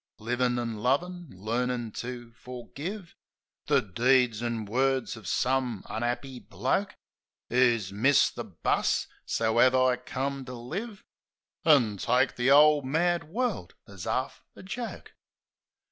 Livin' an' lovin'; learnin' to fergive The deeds an' words of some un'appy bloke Who's missed the bus — so 'ave I come to live, An' take the 'ole mad world as 'arf a joke.